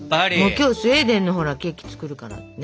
今日スウェーデンのほらケーキ作るから。ね